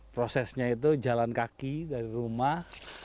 prosesnya itu jalan kaki dari rumah